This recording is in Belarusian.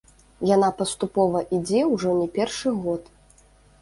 Яна паступова ідзе ўжо не першы год.